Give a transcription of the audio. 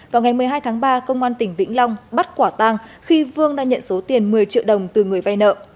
vào ngày một mươi hai tháng ba công an tỉnh vĩnh long bắt quả tăng khi vương đã nhận số tiền một mươi triệu đồng từ người vay nợ